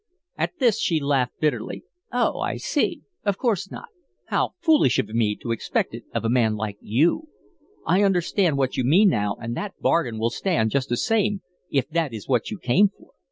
At this she laughed bitterly, "Oh, I see. Of course not. How foolish of me to expect it of a man like you. I understand what you mean now, and the bargain will stand just the same, if that is what you came for.